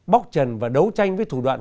bóc trần và đấu tranh với thủ đoạn